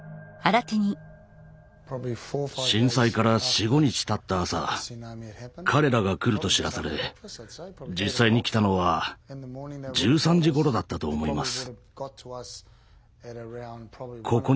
震災から４５日たった朝彼らが来ると知らされ実際に来たのは１３時頃だったと思います。